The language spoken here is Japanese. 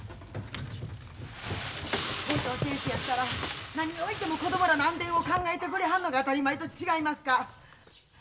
校長先生やったら何を置いても子供らの安全を考えてくれはんのが当たり前と違いますか。